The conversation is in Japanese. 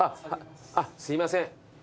あっすいません。